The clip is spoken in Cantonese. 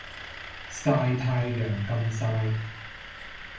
曬太陽咁曬